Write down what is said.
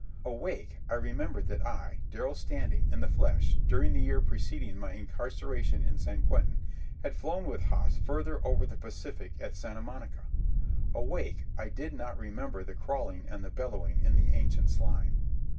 Awake, I remembered that I, Darrell Standing, in the flesh, during the year preceding my incarceration in San Quentin, had flown with Haas further over the Pacific at Santa Monica. Awake, I did not remember the crawling and the bellowing in the ancient slime.